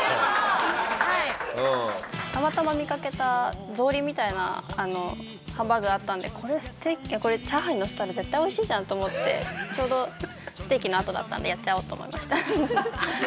たまたま見かけた草履みたいなハンバーグがあったので「これチャーハンにのせたら絶対美味しいじゃん」と思ってちょうどステーキのあとだったのでやっちゃおうと思いました。